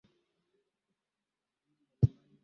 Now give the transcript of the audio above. Aina mbalimbali za dawa huzua athari hizi kwa njia tofauti